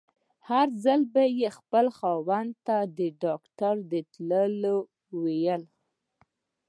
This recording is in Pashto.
هر ځل به يې چې خپل خاوند ته د ډاکټر د تلو ويل.